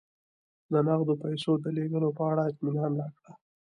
د نغدو پیسو د لېږلو په اړه اطمینان راکړه.